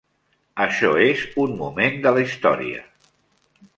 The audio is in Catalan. Això és un moment de la història.